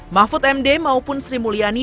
mahfud md maupun sri mulyani